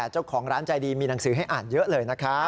เจ้าของร้านใจดีมีหนังสือให้อ่านเยอะเลยนะคะ